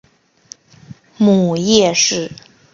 母叶氏。